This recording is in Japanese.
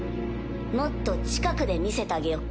もっと近くで見せたげよっか。